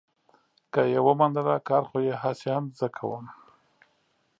که یې ومنله، کار خو یې هسې هم زه کوم.